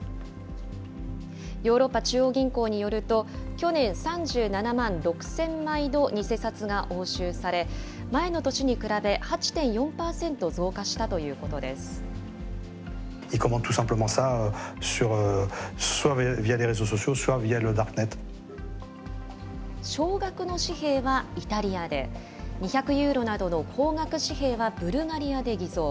ヨーロッパ中央銀行によると、去年、３７万６０００枚の偽札が押収され、前の年に比べ８．４％増少額の紙幣はイタリアで、２００ユーロなどの高額紙幣はブルガリアで偽造。